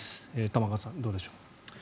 玉川さん、どうでしょう。